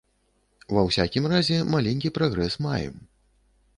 Ва ўсякім разе, маленькі прагрэс маем.